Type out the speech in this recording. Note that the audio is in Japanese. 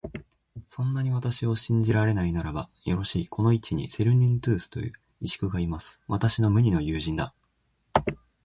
そんなに私を信じられないならば、よろしい、この市にセリヌンティウスという石工がいます。私の無二の友人だ。